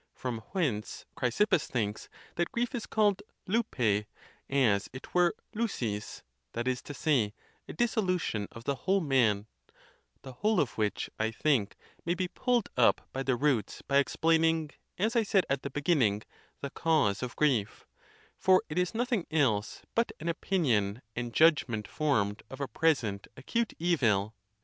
From whence Chrysippus thinks that grief is called din, as it were Avo, that is to say, a dissolution of the whole man —the whole of which 1 think may be pulled up by the roots by explaining, as I said at the beginning, the cause of grief; for it is nothing else but an opinion and judg ment formed of a present acute evil.